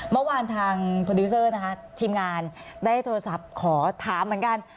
เมื่อวานทางโปรดิวเซอร์นะคะทีมงานได้โทรศัพท์ขอถามเหมือนกัน